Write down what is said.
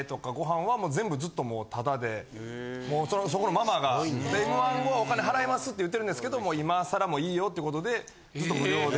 もうそこのママが『Ｍ−１』後はお金払いますって言ってるんですけど今さらもういいよってことでずっと無料で。